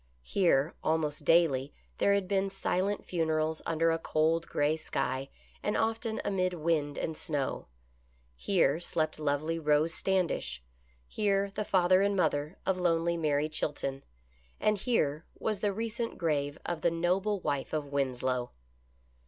Here almost daily there had been silent funerals under a cold, gray sky and often amid wind and snow. Here slept lovely Rose Standish ; here the father and mother of lonely Mary Chilton, and here was the recent grave of the noble wife of Winslow.